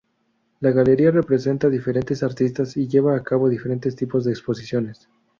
La galería representa a diferentes artistas y lleva a cabo diferentes tipos de exposiciones.